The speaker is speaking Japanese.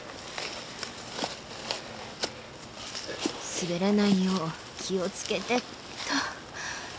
滑らないよう気を付けてっと。